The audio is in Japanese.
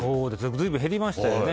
随分減りましたよね。